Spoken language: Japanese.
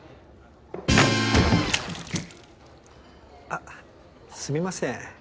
あすみません。